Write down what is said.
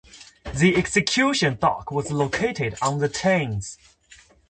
The "Execution Dock" was located on the Thames.